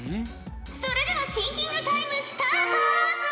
それではシンキングタイムスタート！